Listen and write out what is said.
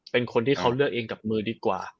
เป็นคนที่เขาเลือกเองกับมือดีกว่า